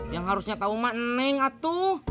yang harusnya tahu ma neng atuh